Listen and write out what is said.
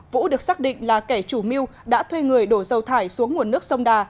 vũ được xác định là kẻ chủ miu đã thuê người đổ dâu thải xuống nguồn nước sông đà